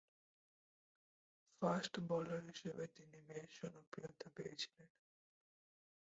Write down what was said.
Fast bowler হিসেবে তিনি বেশ জনপ্রিয়তা পেয়েছিলেন।